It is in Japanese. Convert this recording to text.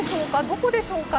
どこでしょうか？